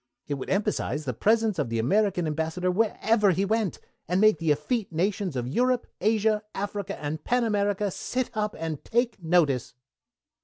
It would emphasize the presence of the American Ambassador wherever he went, and make the effete nations of Europe, Asia, Africa, and Pan America sit up and take notice."